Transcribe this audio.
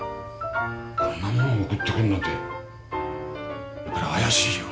こんなものを送ってくるなんてやっぱり怪しいよ。